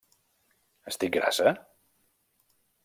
Estic grassa?